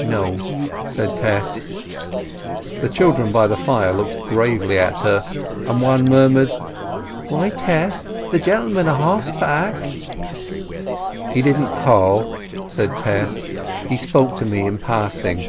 "No," said Tess. The children by the fire looked gravely at her, and one murmured— "Why, Tess, the gentleman a horseback!" "He didn't call," said Tess. "He spoke to me in passing."